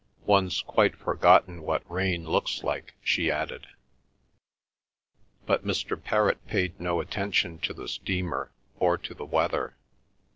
"One's quite forgotten what rain looks like," she added. But Mr. Perrott paid no attention to the steamer or to the weather.